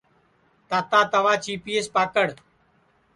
تاتا توا چیپئیس پکڑ